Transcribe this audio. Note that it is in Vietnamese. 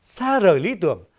xa rời lý tưởng